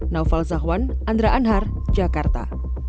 naufal zahwan andra anhar jakarta